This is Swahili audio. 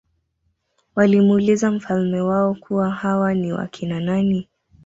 walimuuliza mfalme wao kuwa hawa ni wakina nani